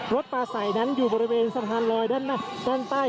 คุณภูริพัฒน์ครับ